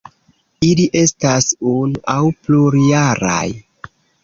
Ili estas unu aŭ plurjaraj.